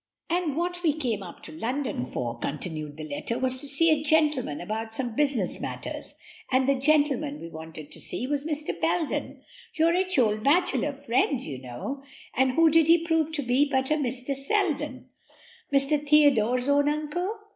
"'And what we came up to London for,' continued the letter, 'was to see a gentleman about some business matters; and the gentleman we wanted to see was Mr. Belden your rich old bachelor friend you know and who did he prove to be but a Mr. Selden, Mr. Theodore's own uncle?